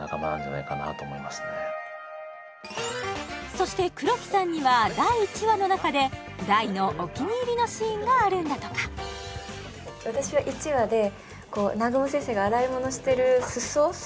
そして黒木さんには第１話の中で大のお気に入りのシーンがあるんだとか私は１話でこう南雲先生が洗い物してるすそ？